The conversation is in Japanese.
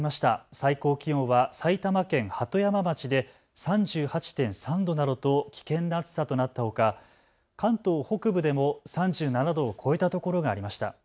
最高気温は埼玉県鳩山町で３８．３度などと危険な暑さとなったほか、関東北部でも３７度を超えたところがありました。